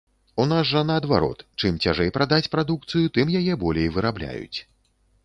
У нас жа наадварот, чым цяжэй прадаць прадукцыю, тым яе болей вырабляюць.